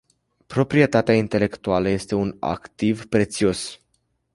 Proprietatea intelectuală este un activ prețios.